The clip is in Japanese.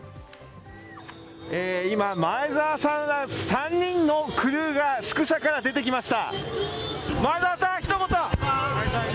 今、前澤さんら３人のクルーが宿舎から出てきました。